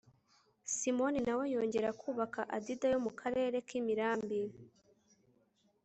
simoni na we yongera kubaka adida yo mu karere k'imirambi